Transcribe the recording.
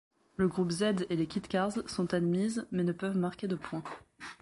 Le groupe Z et les Kit-cars sont admises mais ne peuvent marquer de points.